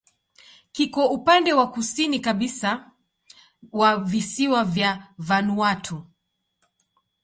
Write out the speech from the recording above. Kiko upande wa kusini kabisa wa visiwa vya Vanuatu.